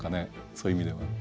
そういう意味では。